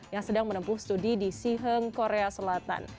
yang sedang menempuh studi di siheng korea selatan